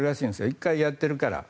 １回やっているから。